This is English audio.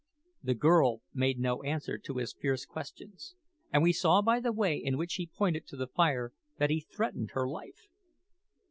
The girl made no answer to his fierce questions, and we saw by the way in which he pointed to the fire that he threatened her life.